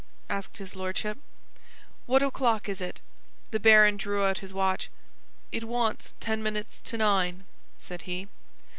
asked his Lordship. "What o'clock is it?" The baron drew out his watch. "It wants ten minutes to nine," said he.